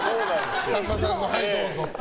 さんまさんのはい、どうぞって。